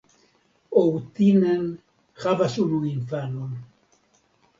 Outinen havas unu infanon.